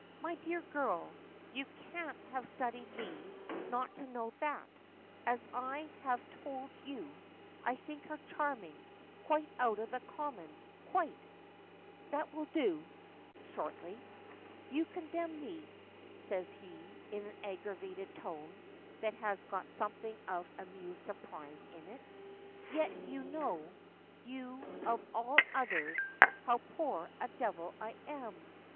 "My dear girl, you can't have studied me not to know that; as I have told you, I think her charming. Quite out of the common quite." "That will do," shortly. "You condemn me," says he, in an aggrieved tone that has got something of amused surprise in it. "Yet you know you of all others how poor a devil I am!